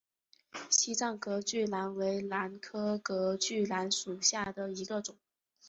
西藏隔距兰为兰科隔距兰属下的一个种。